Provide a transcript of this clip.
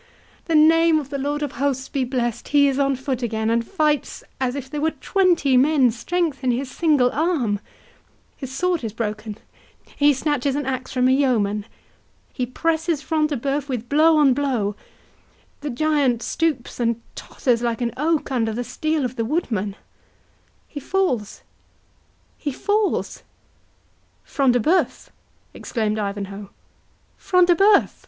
—the name of the Lord of Hosts be blessed!—he is on foot again, and fights as if there were twenty men's strength in his single arm—His sword is broken—he snatches an axe from a yeoman—he presses Front de Bœuf with blow on blow—The giant stoops and totters like an oak under the steel of the woodman—he falls—he falls!" "Front de Bœuf?" exclaimed Ivanhoe. "Front de Bœuf!"